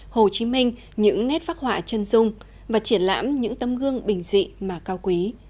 hồ chí minh những nét phác họa chân dung và triển lãm những tấm gương bình dị mà cao quý